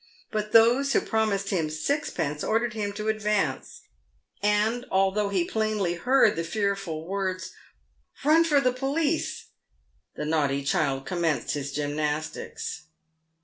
But those who promised him sixpence ordered him to advance, and although he plainly heard the fearful words, " Run for the police !" the naughty child commenced his gymnastics.